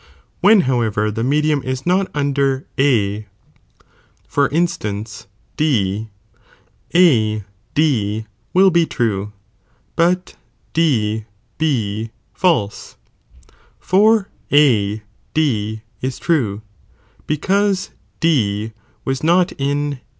When however the me dium is not under A, for instance, D, A D will be true, bat ■ vid A ^^ false, for A D is true, because D was not in Friot, b.